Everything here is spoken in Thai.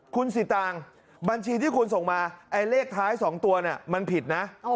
คุณสิตางบัญชีที่คุณส่งมาไอ้เลขท้าย๒ตัวมันผิดนะ